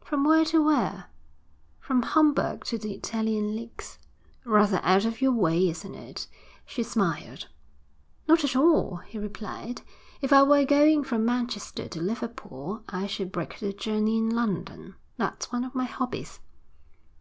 'From where to where?' 'From Homburg to the Italian Lakes.' 'Rather out of your way, isn't it?' she smiled. 'Not at all,' he replied. 'If I were going from Manchester to Liverpool, I should break the journey in London. That's one of my hobbies.'